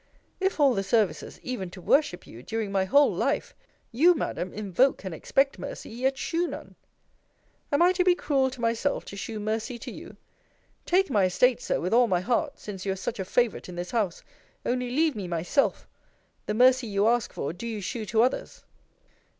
If all the services, even to worship you, during my whole life You, Madam, invoke and expect mercy; yet shew none Am I to be cruel to myself, to shew mercy to you; take my estate, Sir, with all my heart, since you are such a favourite in this house! only leave me myself the mercy you ask for, do you shew to others.